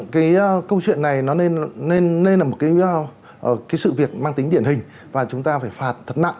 cái câu chuyện này nó lên là một cái sự việc mang tính điển hình và chúng ta phải phạt thật nặng